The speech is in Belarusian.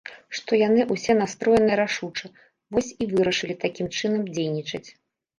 Што яны ўсе настроеныя рашуча, вось і вырашылі такім чынам дзейнічаць.